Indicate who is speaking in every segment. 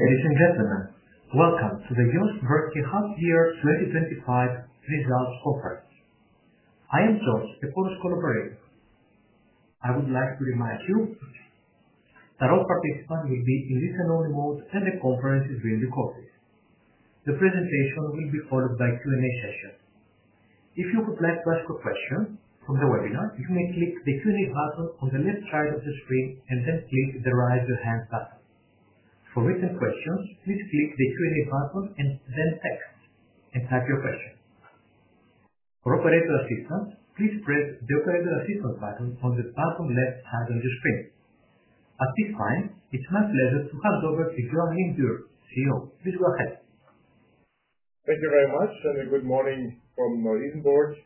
Speaker 1: Ladies and gentlemen, welcome to the JOST Werke SE Joachim Dürr 2025 visa conference. I am John, a polish collaborator. I would like to remind you that all participants will be in listen-only mode, and the conference is really cozy. The presentation will be followed by a Q&A session. If you would like to ask a question on the webinar, you may click the Q&A button on the left side of the screen and then click the Raise Your Hand button. For written questions, please click the Q&A button and then text and type your question. For operator assistance, please press the Operator Assistance button on the bottom left side of the screen. At this time, it's my pleasure to have with us Joachim Dürr, CEO. Please go ahead.
Speaker 2: Thank you very much, and a good morning from Lindenburg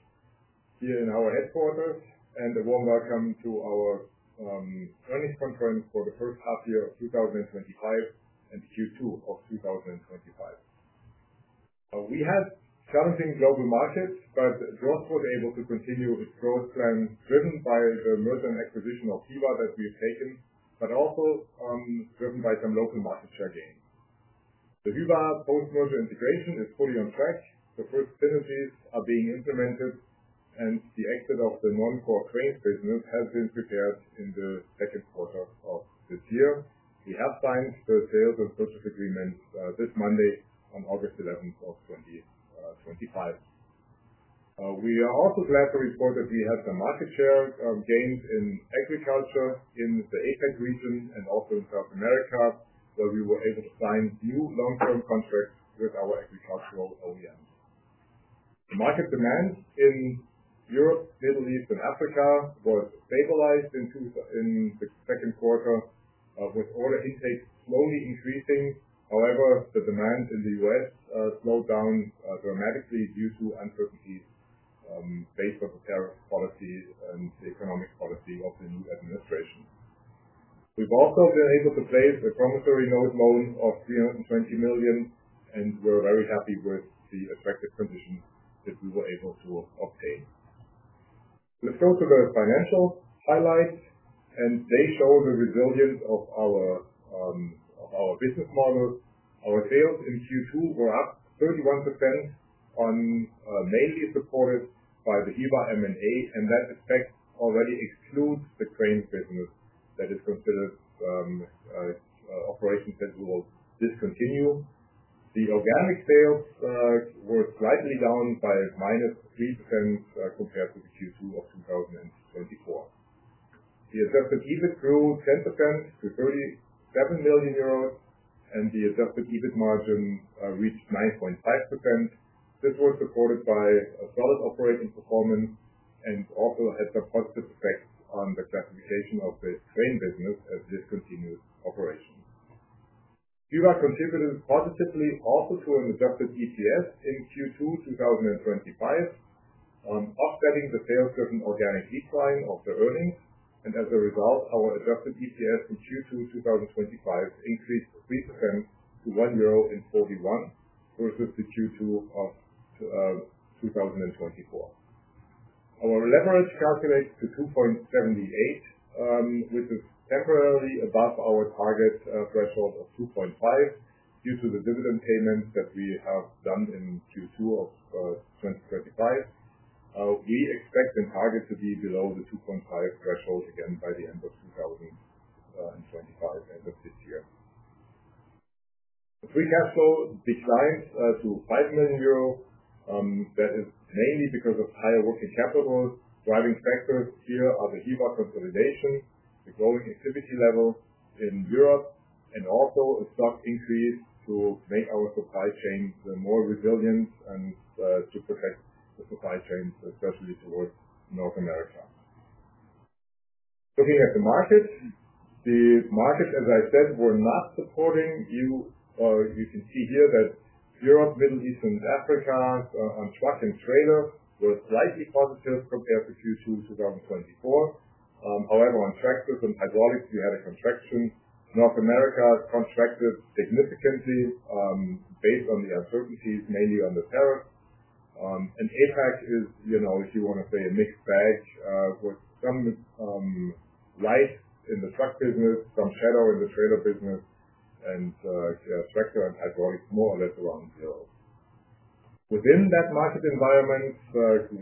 Speaker 2: here in our headquarters, and a warm welcome to our earnings conference for the first half year of 2025 and Q2 of 2025. We had challenging global markets, but JOST was able to continue its growth plan, driven by the merger and acquisition of Hyva that we've taken, but also driven by some local market share gains. The Hyva post-merger integration is fully on track. The first businesses are being implemented, and the exit of the non-core cranes business has been prepared in the second quarter of this year. We have signed the sales and purchase agreements this Monday on August 11, 2025. We are also glad to report that we had some market share gains in agriculture in the APAC region and also in South America, where we were able to sign new long-term contracts with our agricultural OEMs. The market demand in Europe, Middle East, and Africa was stabilized in the second quarter, with order intake slowly increasing. However, the demand in the U.S. slowed down dramatically due to uncertainties faced with the tariff policy and the economic policy of the new administration. We've also been able to place the promissory note amount of 320 million, and we're very happy with the effective conditions that we were able to obtain. Let's go to the financial highlights, and they show the resilience of our business model. Our sales in Q2 were up 31%, mainly supported by the Hyva M&A, and that already excludes the crane business that is considered operations that we will discontinue. The organic sales were slightly down by -3% compared to Q2 of 2024. The adjusted EBIT grew 10% to 37 million euros, and the adjusted EBIT margin reached 9.5%. This was supported by a solid operating performance and also had a positive effect on the classification of the crane business as a discontinued operation. Hyva contributed positively also to an adjusted EPS in Q2 2025, on offsetting the sales-driven organic decline of the earnings. As a result, our adjusted EPS in Q2 2025 increased 3% to 1.41 euro versus Q2 of 2024. Our leverage calculates to 2.78, which is temporarily above our target threshold of 2.5 due to the dividend payments that we have done in Q2 of 2025. We expect the target to be below the 2.5 threshold again by the end of 2025, end of this year. The free cash flow declined to 5 million euro. That is mainly because of higher working capital. Driving factors here are the Hyva consolidation, the growing activity level in Europe, and also a stock increase to make our supply chain more resilient and to protect the supply chain, especially towards North America. Looking at the markets, the markets, as I said, were not supporting. You can see here that Europe, Middle East, and Africa on truck and trailers were slightly positive compared to Q2 2024. However, on tractors and hydraulics, we had a contraction. North America contracted significantly based on the uncertainties, mainly on the tariffs. APAC is, you know, if you want to say a mixed bag, with some light in the truck business, some shadow in the trailer business, and tractor and hydraulics more or less around zero. Within that market environment,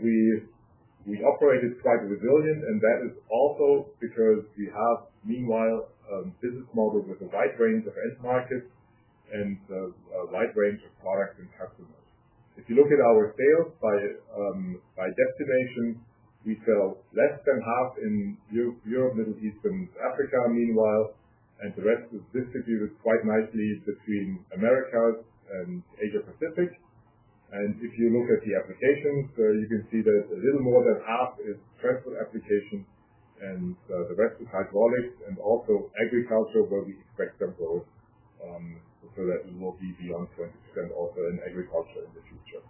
Speaker 2: we operated quite resilient, and that is also because we have meanwhile, a business model with a wide range of end markets and a wide range of products and customers. If you look at our sales by destination, we sell less than half in Europe, Middle East, and Africa, meanwhile, and the rest is distributed quite nicely between America and the Asia Pacific. If you look at the applications, you can see that a little more than half is transport applications and the rest is hydraulics and also agriculture, where we expect to grow to be beyond 20% also in agriculture in the future.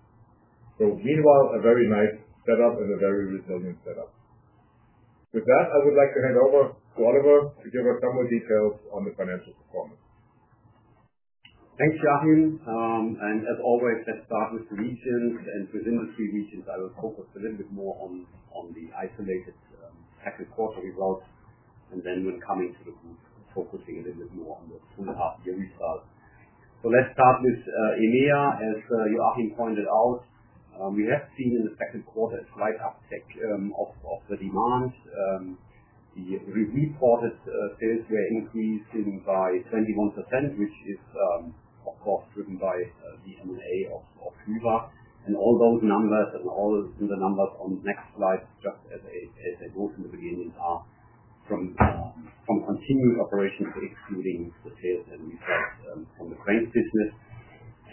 Speaker 2: Meanwhile, a very nice setup and a very resilient setup. With that, I would like to hand over to Oliver to give us some more details on the financial performance.
Speaker 3: Thanks, Joachim. As always, let's start with the regions and the industry regions. I will focus a little bit more on the isolated second quarter results, and then in the coming few weeks, focusing a little bit more on the two and half year results. Let's start with EMEA. As Joachim pointed out, we have seen the second quarter a slight uptake of demand. The recent quarter sales were increasing by 21%, which is of course driven by M&A of Hyva. All those numbers and all the numbers on the next slide, just as I wrote in the beginning, are on the crane business.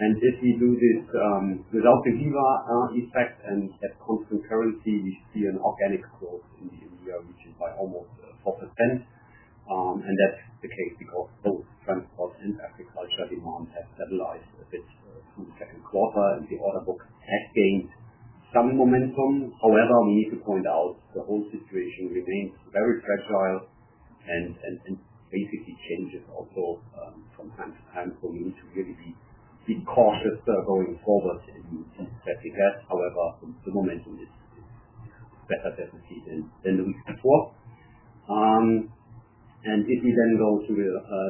Speaker 3: If we do this without the Hyva impact and as code concurrency, we see an organic growth in the EMEA region by almost 4%. That's the case because both transport and agriculture demand have stabilized a bit through the second quarter, and the order books have gained some momentum. However, we need to point out the whole situation remains very fragile and it basically changes a lot from hand to hand. We need to really be cautious going forward in the future. However, the momentum is better than the week before. If you then go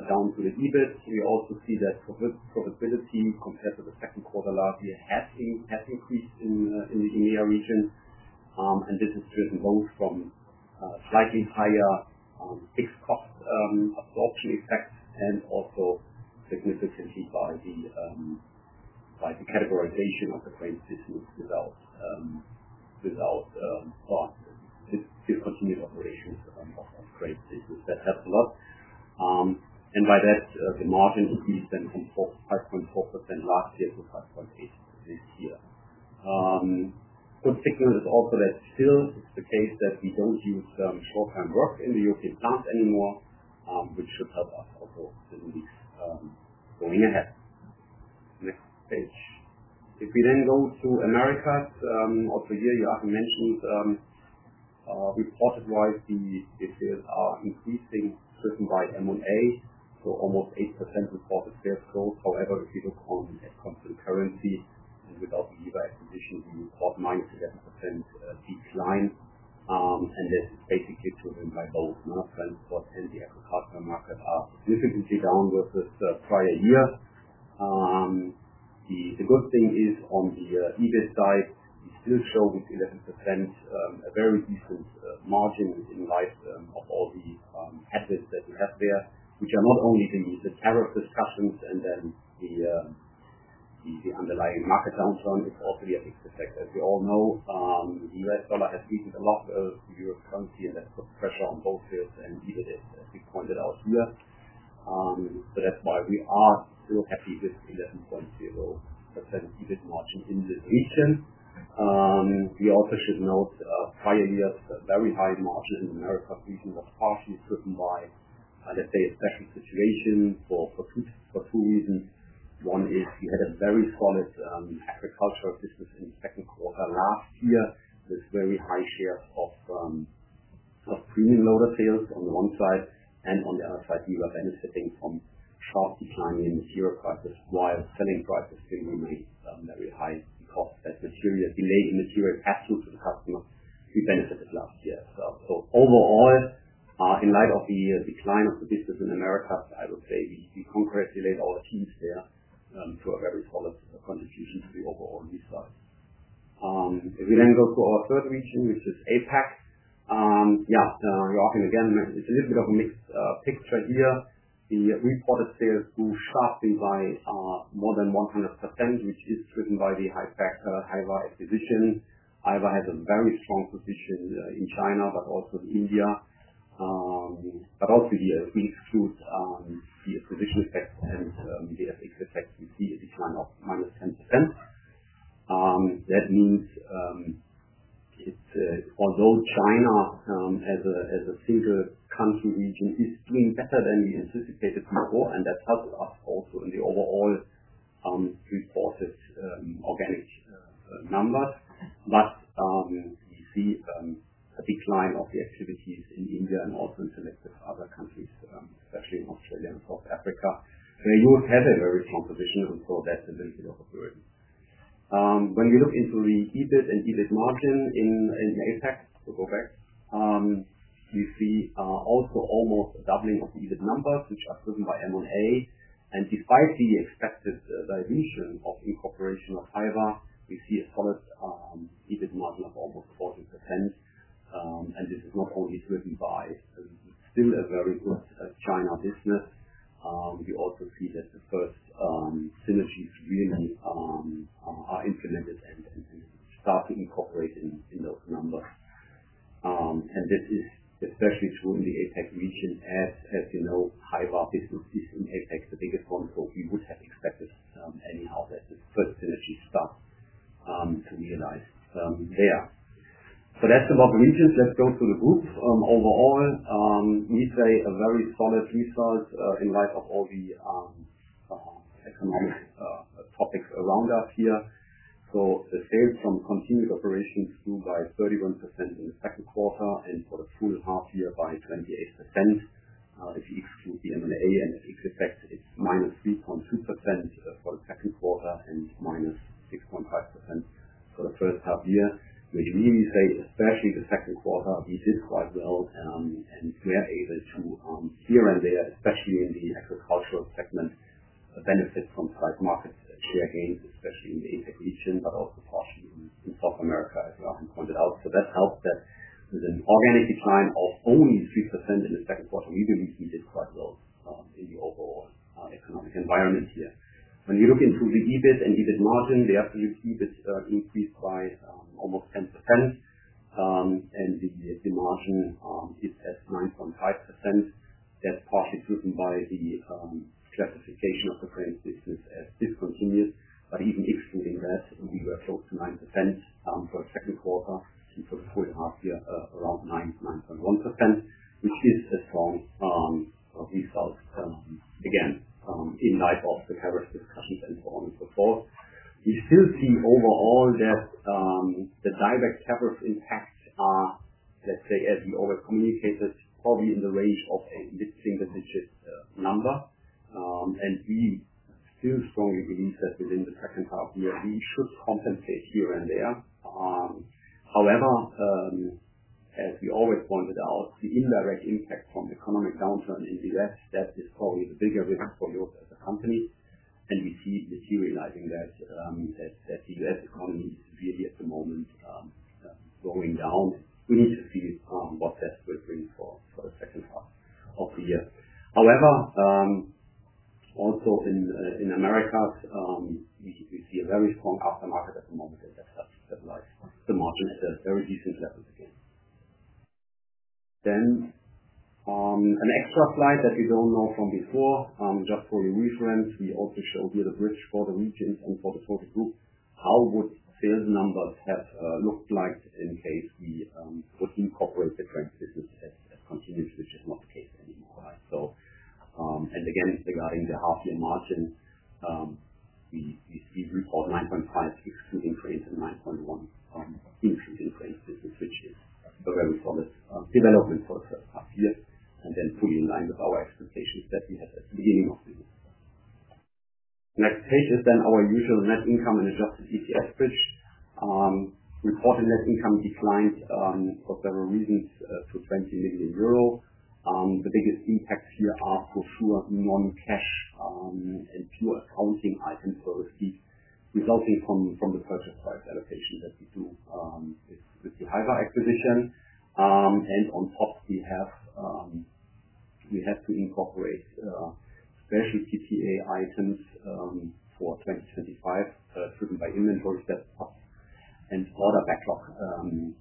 Speaker 3: down to the EBIT, we also see that profitability compared to the second quarter last year has increased in the EMEA region. This is driven both from a slightly higher fixed cost absorption effect and also significantly by the categorization of the crane systems results. By that, the margin increased from 5.4% last year to 5.8% this year. A good signal is also that still it's the case that we don't use short-term work in the European plants anymore, which should help us also to release going ahead. If we then go to America, also here, Joachim mentioned reported wise, the sales are increasing driven by M&A to almost 8% reported sales growth. However, if you look on the currency, without the Hyva acquisition, we report minus 11% decline. This is basically driven by both. Transport and the agricultural market are significantly down versus the prior year. The good thing is on the EBIT side, we still show with 11% a very decent margin within light of all the assets that we have there, which are not only the tariff discussions and then the underlying market downturn, but also the fact that we all know the US dollar has weakened a lot of the US currency, and that puts pressure on both sales and EBIT, as we pointed out here. That's why we are still at least 11% EBIT margin in this region. We also should note prior years, very high margins in America because it was partially driven by, I'd say, a second situation for two reasons. One is we had a very solid agricultural business in the second quarter last year. There's a very high share of agricultural front loader sales on the one side, and on the other side, we were benefiting from half declining material prices while selling prices remained very high because that material delay in material pass-through has not benefited last year. Overall, in light of the decline of the business in America, I would say we congratulate our teams there to a very solid contribution to overall results. If we then go to our third region, which is APAC, Joachim again, it's a little bit of a mixed picture here. The reported sales grew sharply by more than 100%, which is driven by the Hyva acquisition. Hyva has a very strong position in China, but also in India. Also here, I think through the acquisition sector and the FX effects, we see a decline of under 10%. That means, although China as a single country region is doing better than we anticipated from before, and that helps us also in the overall reported organic numbers, we see a decline of the activities in India and also in selective other countries, especially in Australia and South Africa. The U.S. has a very strong position on productivity of operations. When you look into the EBIT and EBIT margin in APAC, you see also almost a doubling of the EBIT numbers, which are driven by M&A. Despite the expected dilution of incorporation of Hyva, we see a solid EBIT margin of almost 40%. This is not only driven by, still a very good China business. We also see that the first synergies really are implemented and start to incorporate in those numbers. This is especially true in the APAC region. As you know, Hyva is in APAC, the biggest one so we would have expected anyhow that the first synergy starts to realize there. That's a lot of regions. Let's go to the goods. Overall, we trade a very solid result in light of all the topics around us here. The sales from continued operations grew by 31% in the second quarter and for the full half year by 28%. This is through the M&A, and it's -3.2% for the second quarter and -6.5% for the third half year, which means that especially the second quarter, we did quite well and were able to here and there, especially in the agricultural segment, benefit from market share gains, especially in the integration, but also partly in South America as well. That helps that with an organic decline of only 3% in the second quarter. We really did quite well in the overall economic environment here. When you look into the EBIT and EBIT margin, there you see it increased by almost 10%. The EBIT margin, it has grown from 5%. That's partially driven by the classification of the crane business as discontinued. Even if so they lost, we were close to 1%. We did a strong result, again, in light of the tariff discussions and so on and so forth. We still see overall that the direct tariff impacts are, let's say, as we always communicate this, probably in the range of a mixing and adjusting number. We still strongly believe that within the second half year, we should compensate here and there. However, as we always pointed out, the indirect impact from the economic downturn is that this is probably the bigger risk for you as a company. We see materializing that as the GDP economy is really at the moment slowing down. We need to see what that will bring for the second half of the year. However, also in America, we see a very strong customer demand. An extra slide that we don't know from before, just for your reference, we also show here the Bridge Quarter Regions and for the Tropic Group, how would sales numbers have looked like in case we incorporated the crane business as a continuous? This is not the case anymore. It's regarding the half-year margin. We see 3.956 increase and 9.1 increase in the future. A very solid development for us here. Fully in line with our expectations that we had at the beginning of the year. Next page is then our usual net income and adjusted EPS page reporting net income declined for several reasons to EUR 20 million. The biggest impacts here are for sure non-cash and pure accounting items for receipts resulting from the purchase price allocation that we do with the Hyva acquisition. On top, we have to incorporate special CTA items for 2025 driven by inventory stuff and order backlog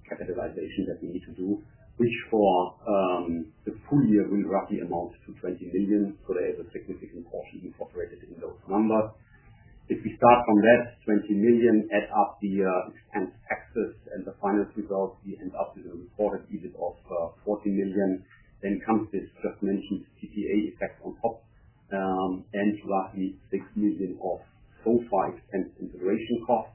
Speaker 3: credibilization that we need to do, which for the full year we roughly announced to 20 million. There is a significant cost incorporated in those numbers. If we start from that 20 million, add up the expense factors and the financial results, we end up with a reported EBIT of 40 million. Next comes this circulation CTA effect on top. Roughly 6 million of so far expense integration costs,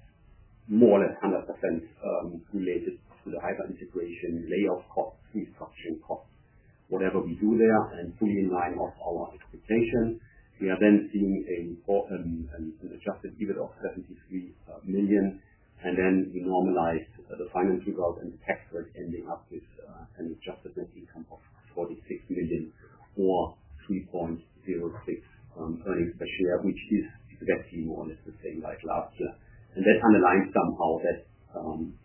Speaker 3: more or less 100% related to the Hyva integration layoff costs, restructuring costs, whatever we do there. Fully in line with our expectation, we are then seeing an adjusted EBIT of EUR 73 million. You normalize the financial results and the tax rate, and you have this adjusted booking sum of 46 million for 3.06 earnings per share, which is definitely more or less the same like last year. That underlines somehow that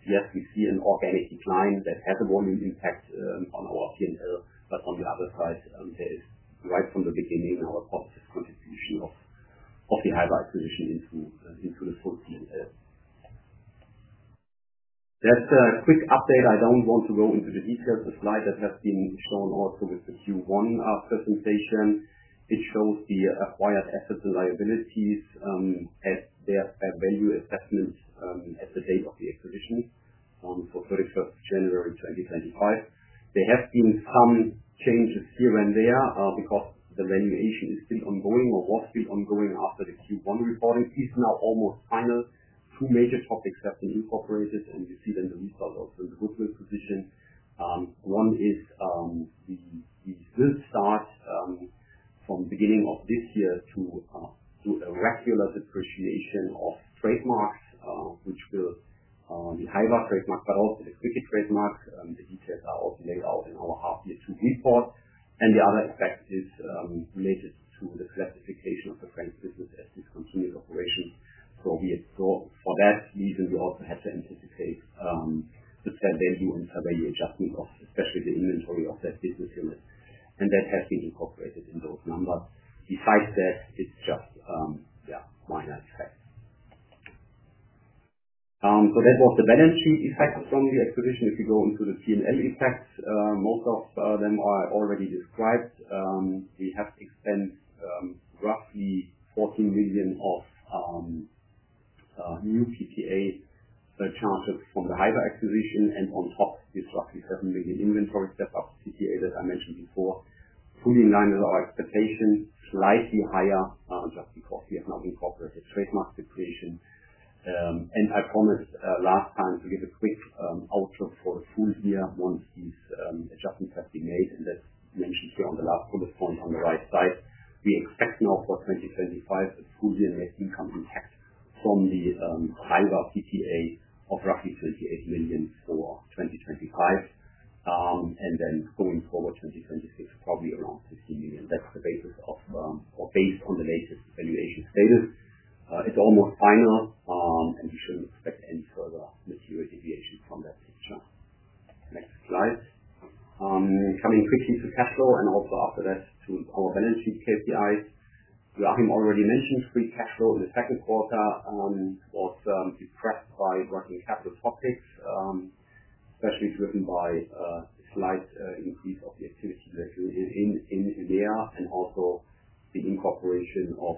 Speaker 3: yes, we see an organic decline that has a volume impact on our P&L, but on the other side, we had right from the beginning our positive contribution of the Hyva position into the full P&L. That's a quick update. I don't want to go into the detail of the slide that has been shown also with the Q1 personalization. It shows the acquired assets and liabilities as their value assessment at the date of the acquisition, normal for January 31, 2025. There have been some changes here and there because the valuation is still ongoing or was still ongoing after the Q1 reporting season. Now, almost panel two major topics have been incorporated, and we see then the result of the goods disposition. One is that we still start from the beginning of this year to do a referral as a negotiation of trademarks, which will be the Hyva trademark, but also the FPG trademarks. The details are also laid out in our half-year two report. The other effect is related to the classification of the crane business as a discontinued operation. Probably for that reason, we also have to anticipate the spend and do a value adjustment of FPG inventory of that business unit. That has been incorporated in those numbers. Besides that, it's just more or less. That was the balance sheet effect from the acquisition. If you go into the P&L impacts, most of them are already described. We have expensed roughly EUR 14 million of new CTA charges from the Hyva acquisition and on top, this roughly 7 million inventory step-up CTA that I mentioned before. Fully in line with our expectations, slightly higher, but because we have not incorporated trademark declaration. I promised last time to give a quick outlook for the full year once these adjustments have been made, and that's basically on the last bullet point on the right side. We expect now for 2025 a full year net income impact from the Hyva CTA of roughly 38 million for 2025. Going forward, 2026, probably around 15 million. That's the basis of, or based on the latest valuation status. It's almost final, and we shouldn't expect any further material deviation from that figure. Next slide. Coming quickly to cash flow and also after that to our balance sheet KPIs. Joachim already mentioned free cash flow in the second quarter was suppressed by working capital stock pitch, especially driven by a slight increase of the activity direction in the year, and also the incorporation of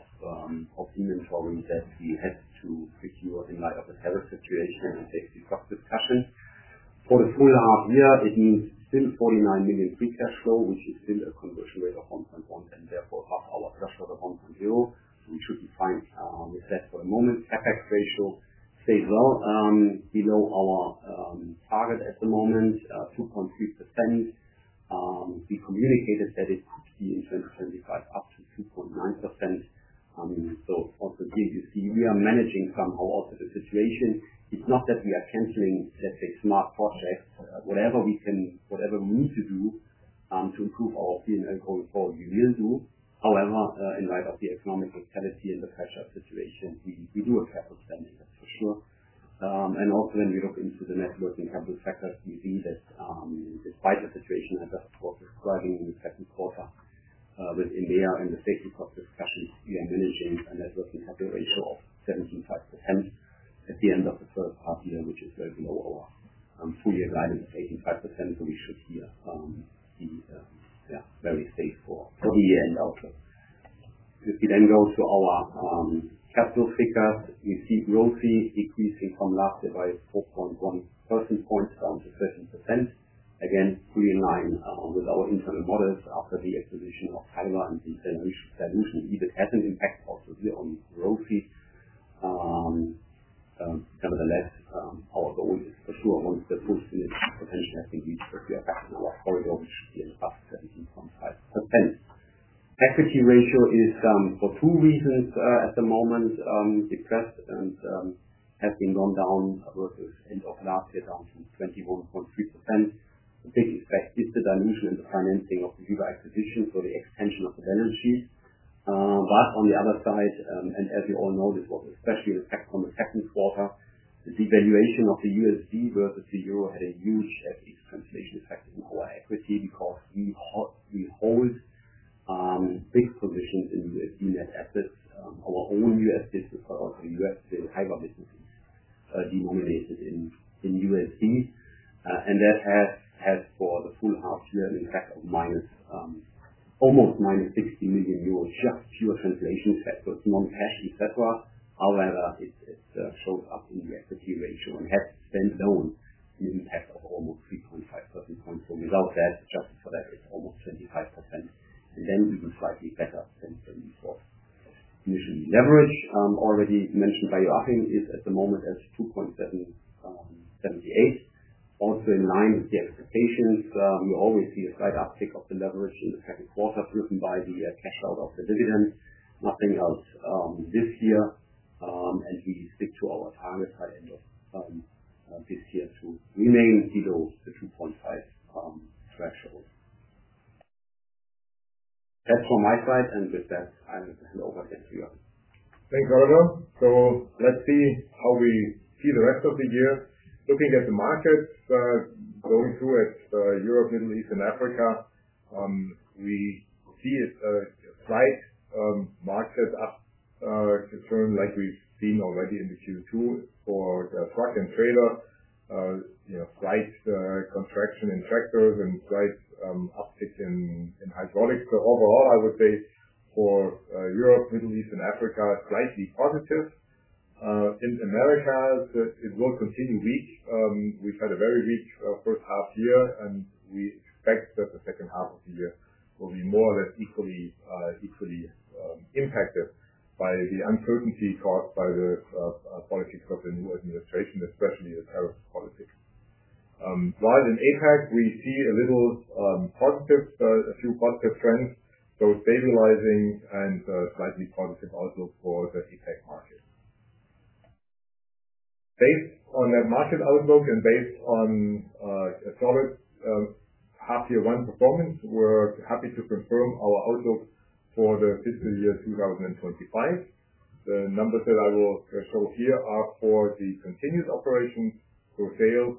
Speaker 3: inventory that we had to procure in light of the tariff situation and safety cost discussion. For the full half year, it means still 49 million free cash flow. Sorry, I missed that for a moment. CapEx ratio stays low, below our target at the moment, 2.3%. We communicated that it could be in 2025 up to 2.9%. I mean, so once again, you see we are managing somehow also the situation. It's not that we are canceling let's say, smart projects. Whatever we can, whatever we need to do to improve our P&L goal for a year or two. However, in light of the economic totality and the factor situation, we do have to spend it, that's for sure. Also, when we look into the net working capital sector, we see that despite the situation that was described in the second quarter, within there and the safety cost discussions, we are managing a net working capital ratio of 7.5% at the end of the third half year, which is very low. Our full year's line is 8.5%, so we should be very safe for the year end also. If you then go to our capital figures, we also see a decrease from last year by 4.1% to 13% against fully in line with our internal models after the acquisition of Hyva and the EBIT has an impact also here on royalty. Nevertheless, the equity ratio is for two reasons at the moment depressed and has been gone down, which was end of last year down to 21.3%. This is based on the dimension and the financing of the Hyva acquisition for the expansion of the balance sheet. On the other side, as you all know, this was especially the effect from the second quarter. The devaluation of the USD versus the euro had a huge translation effect on our equity because we hold fixed positions in USD net assets. Our own USD, USD Iowa businesses, are denominated in USD, and that has for the full half year impacted almost EUR 160 million just due to the translation factor of non-cash, etc. However, it shows up in the equity ratio. We have to spend down even half of almost 3.5%. Without that, just for that, it's almost 25%, and then we will try to get up from 24%. Usually, leverage already mentioned by Joachim is at the moment at 2.78, also in line with the expectations. We already see a slight uptick of the leverage in the second quarter driven by the cash out of the dividend, nothing else this year. We stick to our target high end of this year to remain below 2.5 threshold. That's from my side, and with that, I think this is over this year.
Speaker 2: Thanks Gantzert. Let's see how we see the rest of the year. Looking at the markets, we're going through it, Europe, Middle East, and Africa. We see a slight market upturn like we've seen already in Q2 for the truck and trailer. You have slight contraction in sectors and slight uptick in hydraulics. Overall, I would say for Europe, Middle East, and Africa, slightly positive. In America, it will continue weak. We've had a very weak first half year, and we expect that the second half of the year will be more or less equally impacted by the uncertainty caused by the politics of the new administration, especially the tariff politics. In APAC, we see a little positive. There are a few positive trends, both stabilizing and slightly positive outlook for the APAC market. Based on that market outlook and based on a solid half-year one performance, we're happy to confirm our outlook for the fiscal year 2025. The numbers that I will quote here are for the continuous operation. Sales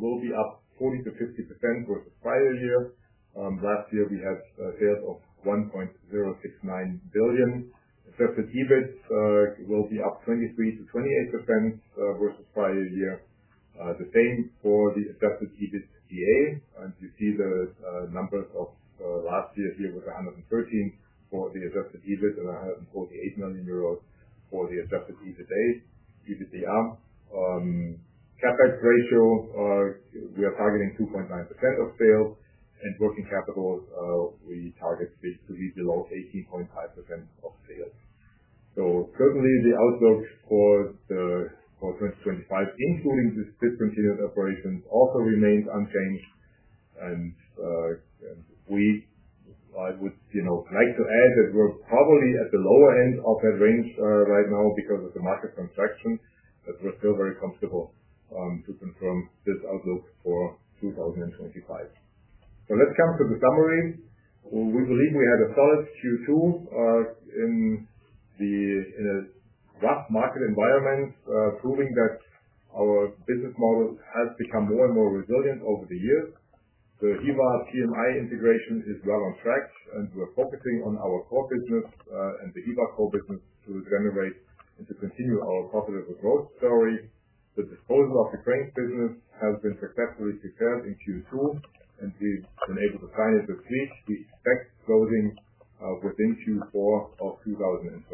Speaker 2: will be up 40% to 50% versus prior year. Last year, we had a sale of 1.069 billion. Adjusted EBIT will be up 23% to 28% versus prior year. The same for the adjusted EBITDA. You see the numbers of last year here with 113 million for the adjusted EBIT and 148 million euros for the adjusted EBITDA. CapEx ratio, we are targeting 2.5% of sales, and working capital, we target to be below 18.5% of sales. Certainly the outlook for 2025, including the discontinued operations, also remains unchanged. I would like to add that we're probably at the lower end of that range right now because of the market contraction, but we're still very comfortable to confirm this outlook for 2025. Let's come to the summary. We believe we had a solid Q2 in the rough market environment, proving that our business model has become more and more resilient over the years. The Hyva PMI integration is well on track, and we're focusing on our core business and the Hyva core business to generate and to continue our corporate growth story. The disposal of the crane business has been successfully secured in Q2, and we've been able to finally complete the expected closing within Q4 of 2025.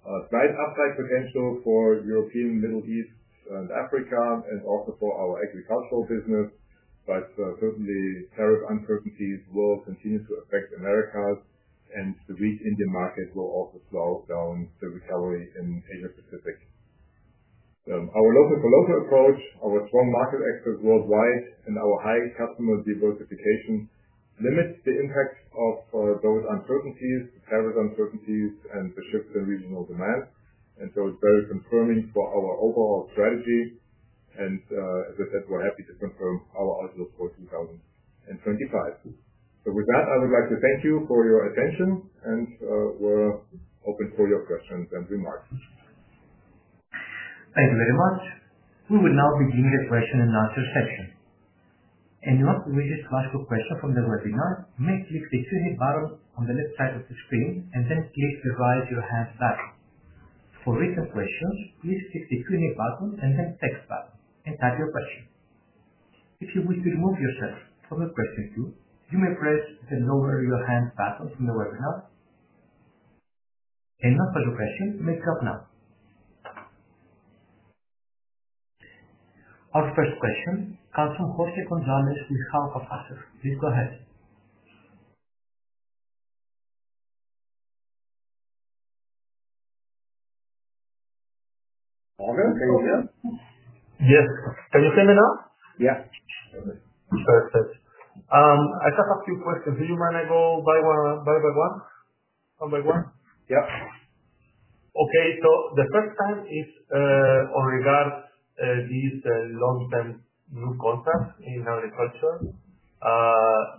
Speaker 2: A slight upside potential for Europe, Middle East, and Africa, and also for our agricultural business. Certainly, tariff uncertainties will continue to affect America, and the rates in the market will also slow down the recovery in Asia-Pacific. Our local-to-local approach, our strong market expert worldwide, and our high customer diversification limit the impacts of those uncertainties, the tariff uncertainties, and the shifts in regional demand. It is very concerning for our overall strategy. As I said, we're happy to confirm our outlook for 2025. With that, I would like to thank you for your attention, and we're open for your questions and remarks.
Speaker 1: Thank you very much. We will now begin the question and answer session. In order to reach the slides for questions from the webinar, make use of the Q&A button on the left side of the screen, and then click the Raise Your Hands button. For written questions, please hit the Q&A button and then Text Button and type your question. If you wish to remove yourself from a question queue, you may press the No Worry Your Hands button in the webinar. Now for the question, make your up note. Our first question comes from Jose Gonzalez with Falco Factors. Please go ahead.
Speaker 4: Oliver, are you there?
Speaker 3: Yes.
Speaker 4: Can you hear me now?
Speaker 3: Yeah.
Speaker 4: Perfect. I got a few questions here. You mind I go one by one?
Speaker 3: Yeah.
Speaker 4: Okay. The first time is on regard, these long-term new contracts in agriculture.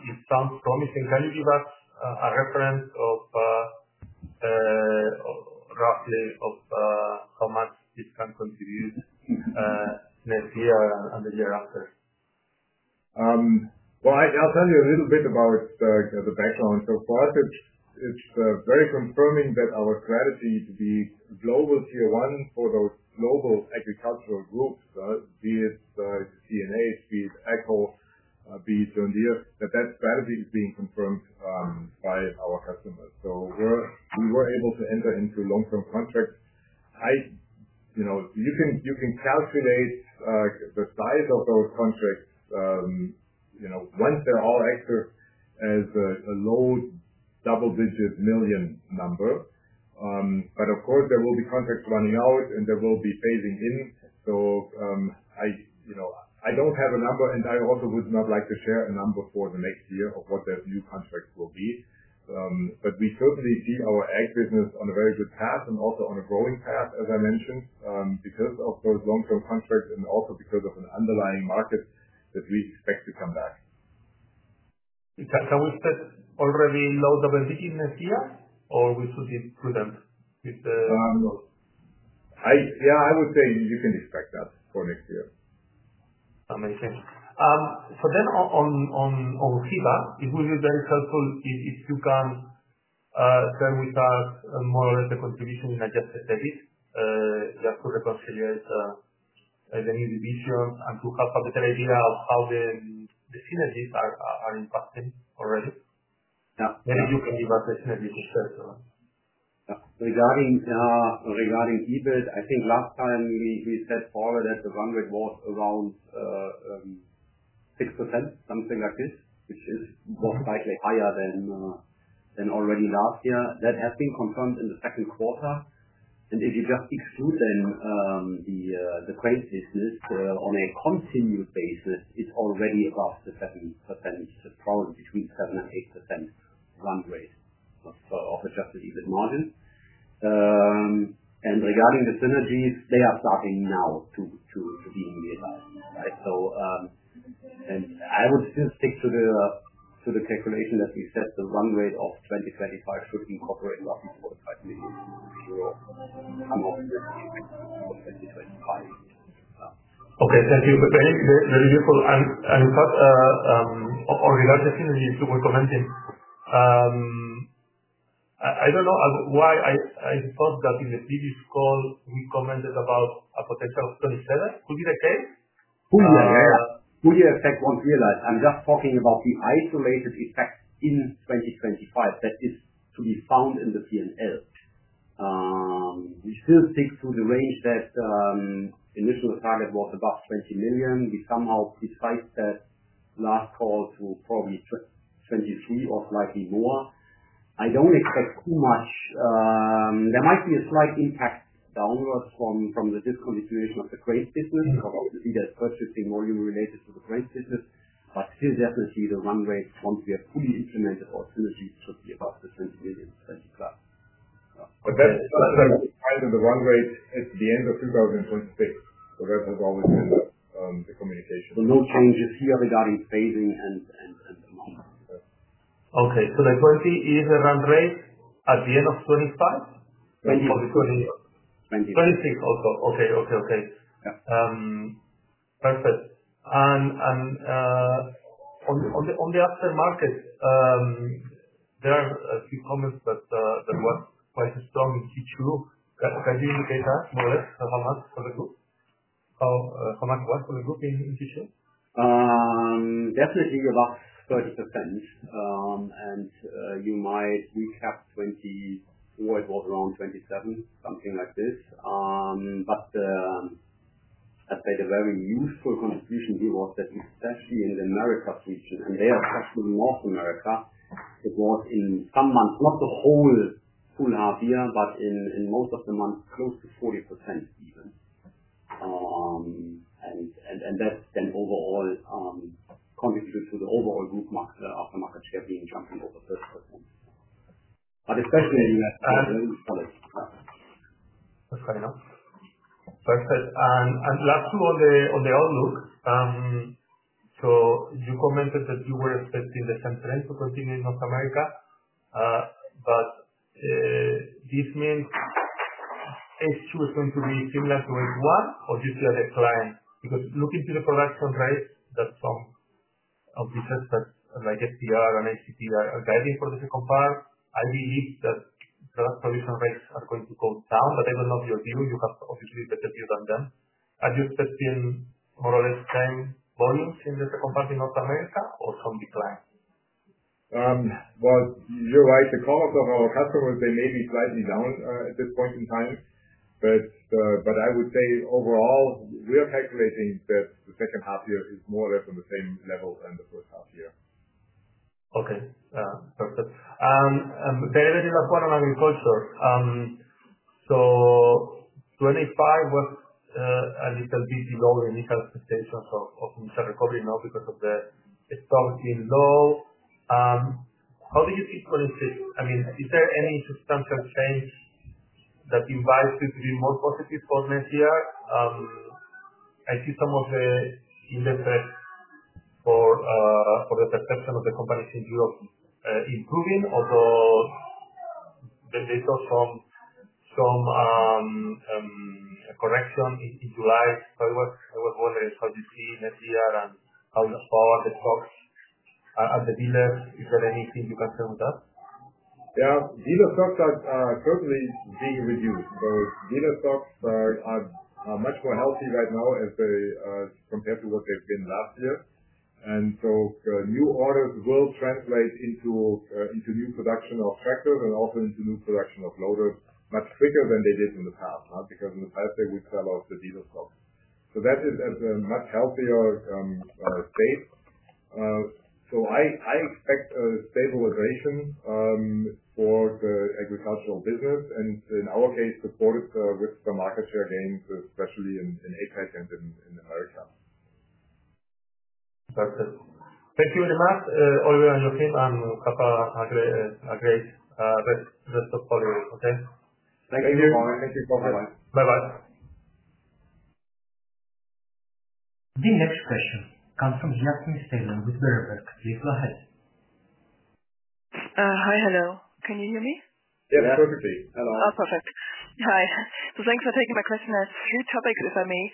Speaker 4: This sounds promising. Can you give us a reference of roughly of, how much this can contribute next year and the year after?
Speaker 3: I'll tell you a little bit about the background. For us, it's very confirming that our strategy to be global tier 1 for those global agricultural groups, be it CNH, be it AGCO, be it John Deere, that that strategy is being confirmed by our customers. We were able to enter into long-term contracts. You can calculate the size of those contracts, once they are active, as a low double-digit million number. Of course, there will be contracts running out, and there will be phasing in. I don't have a number, and I also would not like to share a number for the next year of what that new contract will be. But we certainly see our ag business on a very good path and also on a growing path, as I mentioned, because of those long-term contracts and also because of an underlying market that we expect to come back.
Speaker 4: Can we expect already low double-digit next year, or should we be prudent with the?
Speaker 3: Yeah, I would say you can expect that for next year.
Speaker 4: Amazing. On Hyva, it would be very helpful if you can share with us more or less the contribution in adjusted service, just to reconcile. Your vision and to have a better idea of how the synergies are impacting already. Maybe you can give us the synergy discussion.
Speaker 3: Regarding EBIT, I think last time we said forward that the run rate was around 6%, something like this, which is most likely higher than already last year. That has been confirmed in the second quarter. If you just exclude the crane business on a continued basis, it's already above the 7%, probably between 7% and 8% run rate of adjusted EBIT margin. Regarding the synergies, they are starting now to be in the environment. I would still stick to the calculation that we said the run rate of 2025 should be.
Speaker 4: Okay. Thank you. That's very, very useful. In fact, of organization you were commenting, I don't know why, I suppose that in the previous call, we commented about a potential of 20%. Could it be the case?
Speaker 3: Who would you expect once we are done? I'm just talking about the isolated effect in 2025 that is to be found in the P&L. We still stick to the range that initial target was about 20 million. We somehow decided at last call to probably 23 million or slightly more. I don't expect too much. There might be a slight impact downward from the disconnect with the crane business or either purchasing volume related to the crane business, but still definitely the run rate once we have fully implemented our synergy should be about the 20 million, 20+ million.
Speaker 2: That's the run rate at the end of 2026. That's what we're always in the communication.
Speaker 3: are no changes here regarding staging.
Speaker 4: Okay. The 20 is the run rate at the end of 2025?
Speaker 3: Right. '26.
Speaker 4: '26. Okay. Perfect. On the upsell market, there are a few comments that there was quite a strong in Q2. Give me the case now, more or less, how much for the group? How much was for the group in Q2?
Speaker 3: Definitely about 30%. You might reach out 20%, what was around 27%, something like this. I think a very useful contribution gave us that, especially in the America region, and they are touching North America. It was in some months, not the whole full half year, but in most of the months, close to 40% even. That's been overall contributed to the overall group aftermarket gap being something over 30%.
Speaker 4: That's great to know. Perfect. Last two on the outlook. You commented that you were expecting the same trend to continue in North America. Does this mean issues are going to be similar to Ecuador, or do you see other clients? Looking to the production rates, that's all of research that I guess PR and APAC are guiding for the second part. I believe that the last production rates are going to go down, but I don't know your view. You have obviously better view than them. Have you expected, more or less, trend bonus in the second part in North America or some decline?
Speaker 2: You're right. The chronos of our customers, they may be slightly down at this point in time, but I would say overall, we are calculating that the second half year is more or less on the same level as the first half year.
Speaker 4: Okay. Perfect. The elevated order of manufacturer. 2025 was a little bit below the initial expectations of initial recovery now because of that. It's looking low. How do you see 2026? I mean, is there any substantial change that invites you to be more positive on next year? I see some of the indexes for the perception of the comparison in Europe improving, although they saw some correction in July. I was wondering how you see next year and how you saw the cost and the builder. Is there anything you can share with that?
Speaker 2: Yeah. Dealer stocks are certainly, let's say, at genius levels. Dealer stocks are much more healthy right now as they compare to what they've been last year. New orders will translate into new production of tractors and also into new production of loaders much quicker than they did in the past, because in the past, they would sell off the dealer stocks. That is a much healthier state. I expect a stabilization for the agricultural business, and in our case, supported with the market share gains, especially in APAC and in America.
Speaker 4: Perfect. Thank you very much, Oliver and Joachim. I'm a couple of degrees, just calling in, okay?
Speaker 2: Thank you.
Speaker 3: Thank you so much.
Speaker 4: Bye-bye.
Speaker 1: The next question comes from Jacqueline Stalen with BaerBest. Please go ahead.
Speaker 5: Hi. Hello. Can you hear me?
Speaker 2: Yes, perfectly. Hello.
Speaker 4: Oh, perfect. Hi. Thanks for taking my question as smooth traffic as I may.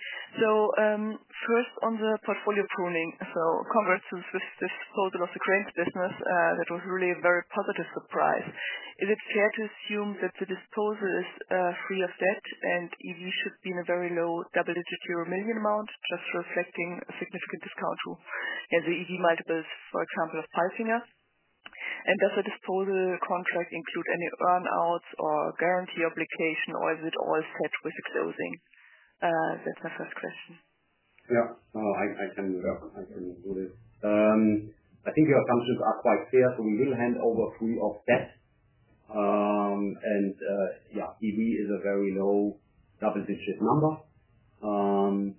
Speaker 4: First, on the portfolio toning. Congress has disposed a lot of crane business. That was really a very positive surprise. Is it fair to assume that the disposal is free of debt and enterprise value should be in a very low euro million amount, thus reflecting a significant discount too? The enterprise value multiples, for example, of pricing us. Does the disposal contract include any earnouts or guarantee obligation, or is it all set with its closing? That's my first question.
Speaker 3: Yeah. I can include it. I think we have something to ask about sales, so we will hand over a few of that. EV is a very low double-digit number.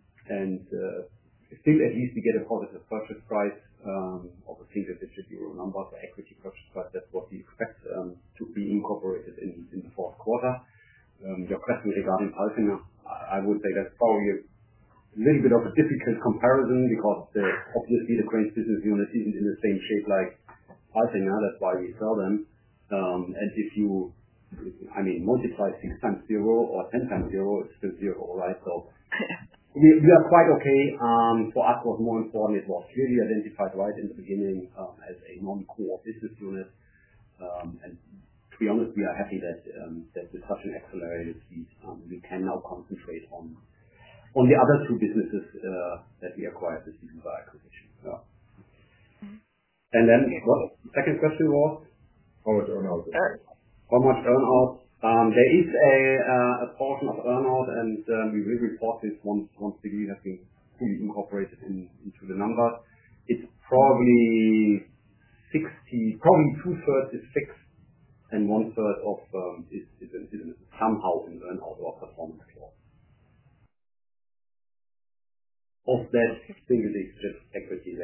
Speaker 3: Still, at least we get a positive purchase price, obviously, the EUR 50 million number for equity purchase price. That's what we expect to be incorporated in the fourth quarter. Your question regarding, I was thinking, I would say that's probably a little bit of a difficult comparison because obviously the crane business unit isn't in the same shape like, I think, that's why we sell them. If you multiply 6 times 0 or 10 times 0, it's still 0, right? We are quite okay. For us, what's more important was really identified right in the beginning as a non-core business unit. To be honest, we are happy that this discussion accelerated. We can now compensate on the other two businesses that we acquired this year by acquisition.
Speaker 5: Okay.
Speaker 3: The second question was.
Speaker 2: I don't know.
Speaker 3: How much earnout? There is a portion of earnout, and we will report this once the green I think will be incorporated into the number. It's probably 60%, probably 2/3 is fixed and 1/3 of it is somehow an earnout or performance score. Of that, 15% is accuracy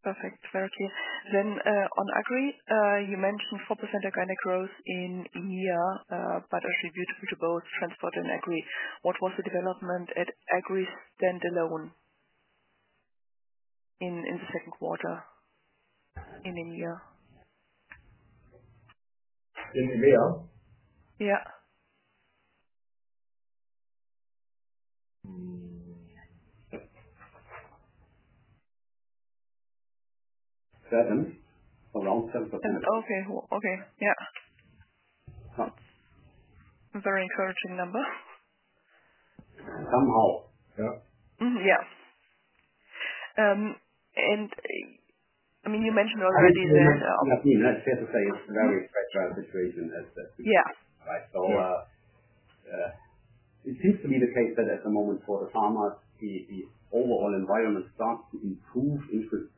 Speaker 3: in the long-term price.
Speaker 5: Perfect. On Agri, you mentioned 4% organic growth in NIA. As we visit with the boards, transport and Agri, what was the development at Agri standalone in the second quarter in the year?
Speaker 3: In the year?
Speaker 4: Yeah.
Speaker 3: Around 7%.
Speaker 5: Okay. Okay. Yeah, that's a very encouraging number.
Speaker 2: Somehow. Yeah.
Speaker 5: You mentioned already that.
Speaker 3: I mean, it's fair to say it's a very situation as that.
Speaker 5: Yeah.
Speaker 3: It seems to be the case that at the moment for the farmer, the overall environment starts to improve. Interests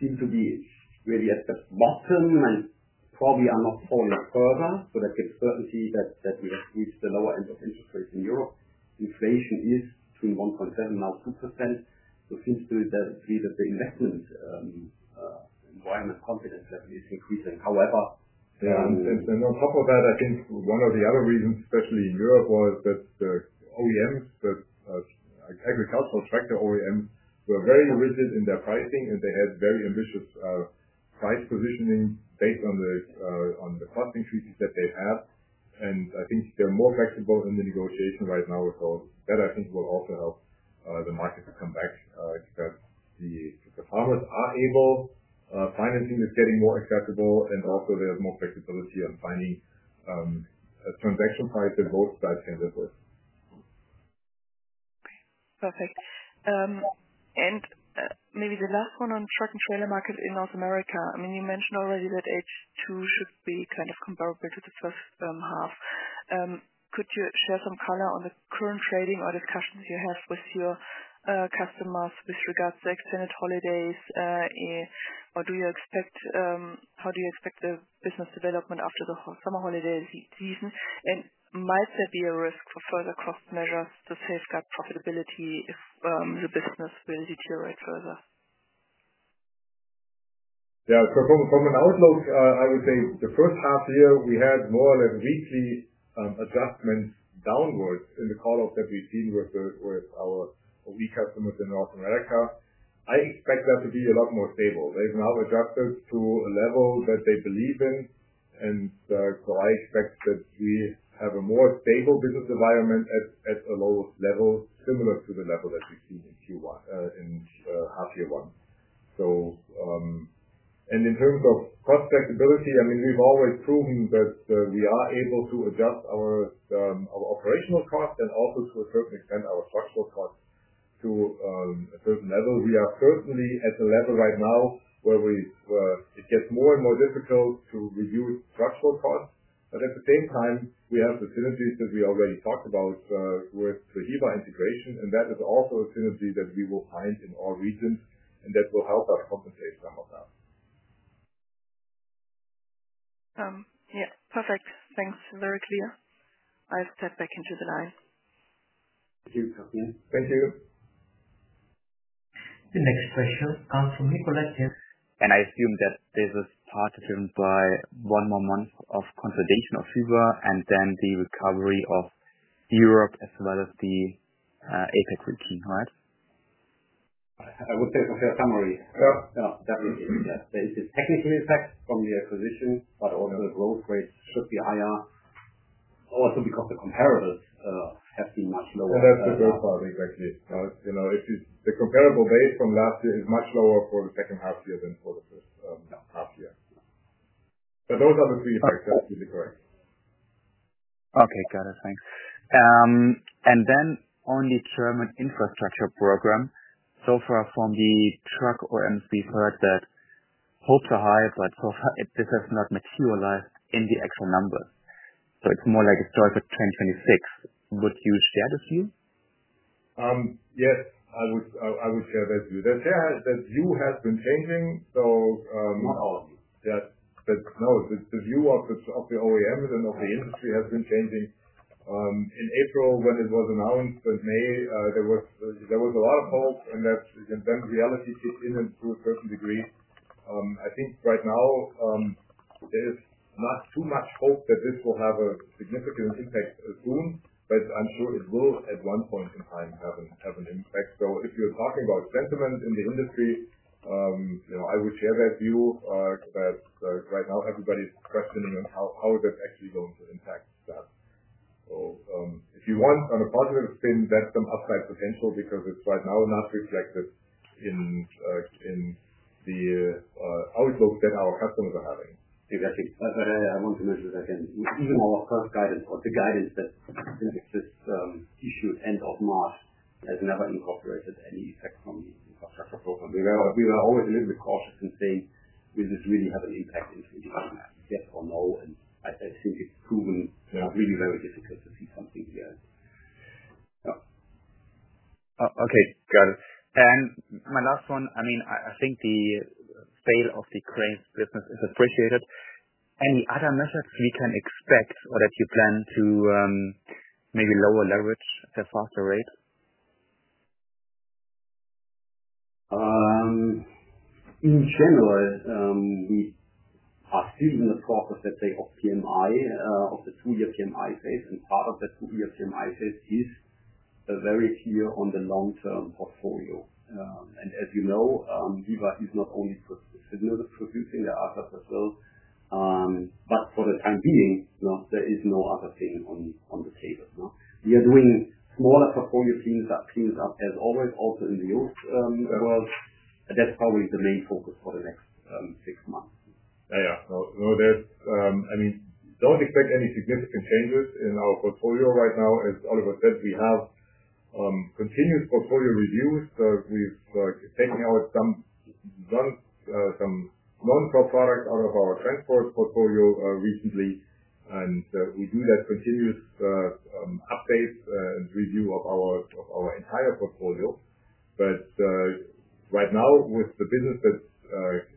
Speaker 3: seem to be really at the bottom. They probably are not falling further, but I can certainly see that we have reached the lower end of interest rates in Europe. Inflation is between 1.7% and now 2%. It seems to be that the investment environment confidence level is increasing. However.
Speaker 2: One of the other reasons, especially in Europe, was that the OEMs, the agricultural sector OEMs, were very rigid in their pricing, and they had very ambitious price positioning based on the costing treaties that they had. I think they're more flexible in the negotiation right now. That, I think, will also help the market to come back. The farmers are able. Financing is getting more acceptable, and also there's more flexibility on finding a transaction price that both sides can live with.
Speaker 5: Perfect. Maybe the last one on truck and trailer market in North America. You mentioned already that H2 should be kind of comparable to the first half. Could you spare some color on the current shading or discussions you have with your customers with regards to extended holidays? Do you expect, how do you expect the business development after the summer holiday season? Might there be a risk for further cost measures to safeguard profitability if your business will deteriorate further?
Speaker 2: Yeah. From an outlook, I would say the first half year, we had more or less weekly adjustments downwards in the call-ups that we've seen with our weak customers in North America. I expect that to be a lot more stable. They've now adjusted to a level that they believe in. I expect that we have a more stable business environment at a low level, similar to the level that we've seen in Q1, in half year one. In terms of cost flexibility, we've always proven that we are able to adjust our operational costs and also to a certain extent our structural costs to a certain level. We are certainly at the level right now where it gets more and more difficult to reduce structural costs. At the same time, we have the synergy that we already talked about with the Hyva integration, and that is also a synergy that we will find in all regions, and that will help us compensate for ourselves.
Speaker 5: Yeah. Perfect. Thanks, very clear. I'll step back into the line.
Speaker 1: Thank you, Jacqueline.
Speaker 2: Thank you.
Speaker 1: The next question comes from Nicoletti. I assume that this is part of him by one more month of confidential of Hyva and then the recovery of Europe as well as the APAC routine, right?
Speaker 3: I would say for the summary, yeah, definitely. The technical effect from the acquisition, but also the growth rates could be higher, also because the comparables have to slow.
Speaker 2: That's the growth part, exactly. You know, if the comparable base from last year is much lower for the second half year than for the first half year, those are the three effects that we'll be doing. Okay. Got it. Thanks. On the German infrastructure program, so far from the truck OEMs, we've heard that culturally, Hyva, but so far, this has not materialized in the actual numbers. It's more like a story for 2026. Would you share this view? Yes, I would share that view. The view has been changing. Yeah, no, the view of the OEMs and of the industry has been changing. In April, when it was announced, in May, there was a lot of hope, and then reality took in to a certain degree. I think right now, there is not too much hope that this will have a significant impact soon, but I'm sure it will at one point in time have an impact. If you're talking about sentiment in the industry, I would share that view that right now, everybody's questioning how is that actually going to impact that. If you want, on a positive thing, that's some upside potential because it's right now not reflected in the outlook that our customers are having.
Speaker 3: Exactly. I want to mention that even in our first guidance call, the guidance that, since it's issued end of March, has never incorporated any effect from the infrastructure program. We were always really cautious in saying, will this really have an impact if we have yes or no? I think it's proven to have really very difficult to see something here. Okay. Got it. I think the sale of the crane business is appreciated. Any other methods we can expect or that you plan to, maybe lower leverage at a faster rate? In general, we have seen the focus, let's say, of PMI, of the two-year PMI phase. Part of the two-year PMI phase is very clear on the long-term portfolio. As you know, Hyva is not only for the signal producing the assets as well, but for the time being, there is no other thing on the table. We are doing smaller portfolio things as always, also in the U.S. as well. That's probably the main focus for the next six months.
Speaker 2: I mean, don't expect any significant changes in our portfolio right now. As Oliver said, we have continuous portfolio reviews. We're taking out some non-core products out of our transport portfolio recently. We do that continuous update and review of our entire portfolio. Right now, with the business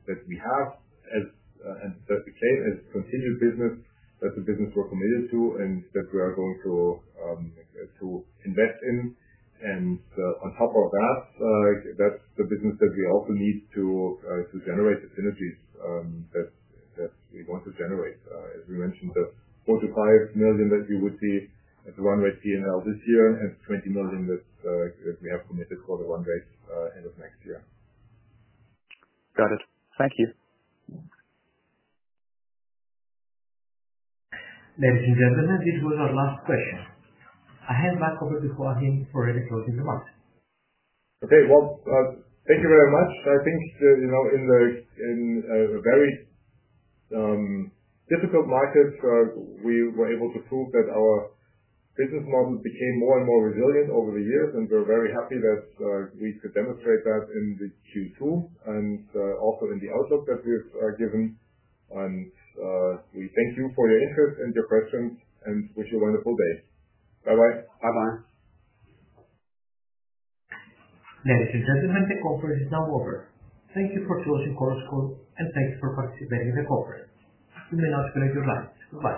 Speaker 2: that we have, as continued business, that's the business we're committed to and that we are going to invest in. On top of that, that's the business that we also need to generate the synergies that we want to generate. As we mentioned, the 45 million that we would see at the run rate P&L this year, and it's 20 million that we have committed for the run rate end of next year. Got it. Thank you.
Speaker 1: Ladies and gentlemen, this was our last question. I hand back over to Joachim Dürr for a recording remarks.
Speaker 2: Thank you very much. I think, you know, in a very difficult market, we were able to prove that our business model became more and more resilient over the years, and we're very happy that we could demonstrate that in the Q2 and also in the outlook that we've given. We thank you for your interest and your questions, and wish you a wonderful day. Bye-bye.
Speaker 3: Bye-bye.
Speaker 1: Ladies and gentlemen, the conference is now over. Thank you for closing calls and thanks for participating in the conference. You may now split your marks. Goodbye.